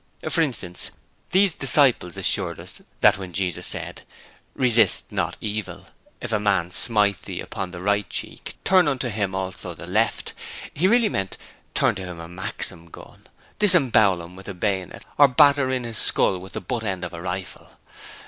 For instance, these 'disciples' assure us that when Jesus said, 'Resist not evil', 'If a man smite thee upon he right cheek turn unto him also the left', He really meant 'Turn on to him a Maxim gun; disembowel him with a bayonet or batter in his skull with the butt end of a rifle!'